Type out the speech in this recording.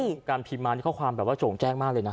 คือการพิมพ์มานี่ข้อความแบบว่าโจ่งแจ้งมากเลยนะ